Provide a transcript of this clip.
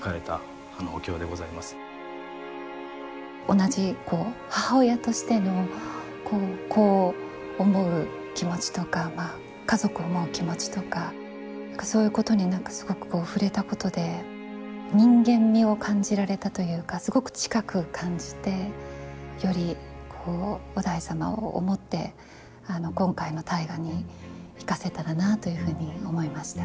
同じ母親としての子を思う気持ちとか家族を思う気持ちとかそういうことに何かすごく触れたことで人間味を感じられたというかすごく近く感じてより於大様を思って今回の「大河」に生かせたらなあというふうに思いました。